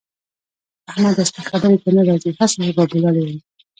احمد اصلي خبرې ته نه راځي؛ هسې بابولالې وايي.